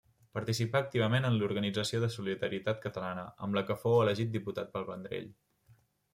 Participà activament en l'organització de Solidaritat Catalana, amb la que fou elegit diputat pel Vendrell.